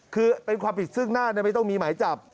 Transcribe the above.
คือเป็นความผิดซึ่งหน้าไม่ต้องมีหมายจับ